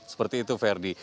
seperti itu verdi